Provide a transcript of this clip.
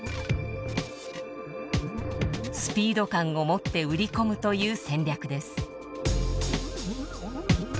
スピード感を持って売り込むという戦略です。